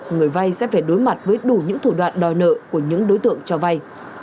người vai sẽ phải đối mặt với đủ những thủ đoạn đòi nợ của những đối tượng cho vai